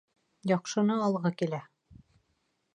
Яҡшыны алғы килә.